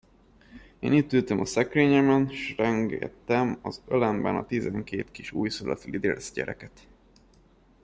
Én itt ültem a szekrényemen, s rengettem az ölemben a tizenkét kis újszülött lidércgyereket.